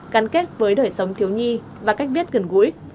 cắn kết với đời sống thiếu nhi và cách viết gần gũi